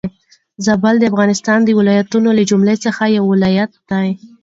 زابل د افغانستان د ولايتونو له جملي څخه يو ولايت دي.